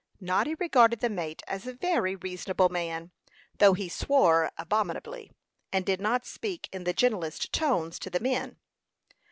Noddy regarded the mate as a very reasonable man, though he swore abominably, and did not speak in the gentlest tones to the men.